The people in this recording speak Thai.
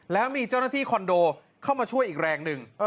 แล้วมีเจ้าหน้าที่คอนโดเข้ามาช่วยอีกแรงหนึ่ง